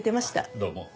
どうも。